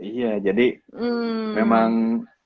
iya jadi memang